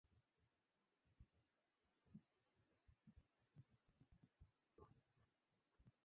স্ট্যান, তুমি কী করছ?